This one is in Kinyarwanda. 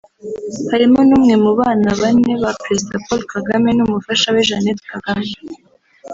harimo n’umwe mu bana bane ba Perezida Paul Kagame n’umufasha we Jeannette Kagame